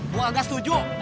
bu agah setuju